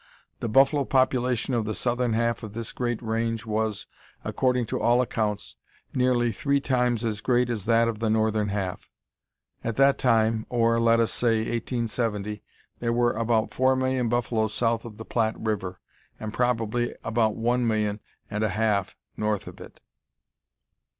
The buffalo population of the southern half of this great range was, according to all accounts, nearly three times as great as that of the northern half. At that time, or, let us say, 1870, there were about four million buffaloes south of the Platte River, and probably about one million and a half north of it.